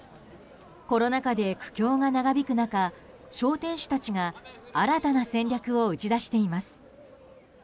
コロナ禍で苦境が長引く中商店主たちが新たな戦略を打ち出しています。